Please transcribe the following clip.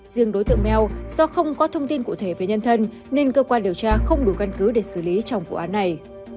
riêng đối tượng mel do không có thông tin cụ thể về nhân thân nên cơ quan điều tra không đủ căn cứ để xử lý trong vụ án này